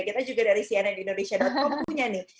kita juga dari cnn indonesia com punya nih